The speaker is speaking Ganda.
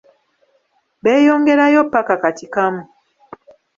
Beeyongerayo ppaka Katikamu.